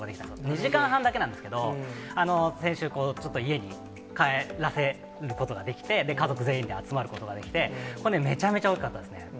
２時間半だけなんですけど、先週、ちょっと家に帰らせることができて、家族全員で集まることができて、めちゃめちゃ大きかったですね。